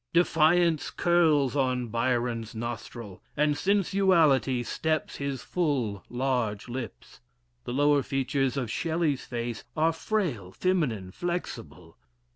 Defiance curls on Byron's nostril, and sensuality steps his full large lips. The lower features of Shelley's face are frail, feminine, flexible.